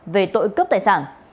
về tội cướp tài sản